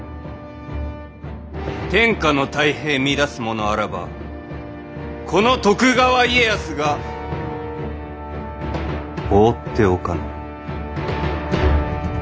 天下の太平乱す者あらばこの徳川家康が放っておかぬ。